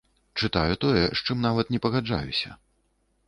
Чытаю тое, з чым нават не пагаджаюся.